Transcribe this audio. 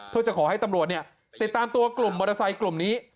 เพื่อจะขอให้ตำรวจเนี่ยติดตามตัวกลุ่มมอเตอร์ไซค์กลุ่มนี้